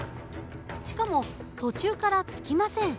しかも途中からつきません。